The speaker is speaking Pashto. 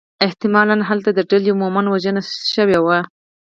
احتمالاً هلته د ډلې عمومی وژنه شوې وه.